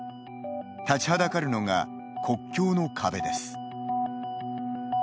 立ちはだかるのが国境の壁です。